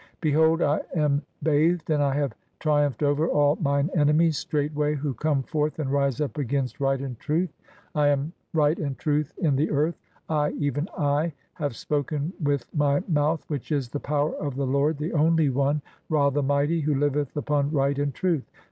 Behold [I am] bath "ed, [and I have] triumphed [over] all [mine enemies] straight "way who come forth and rise up against right and truth. I am "right and true in the earth. I, even I, have spoken (?) with my "mouth [which is] the power of the Lord, the Only one, Ra "the mighty, who liveth upon right and truth.